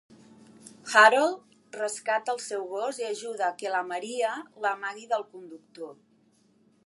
Harold rescata el seu gos i ajuda a que Maria l'amagui del conductor.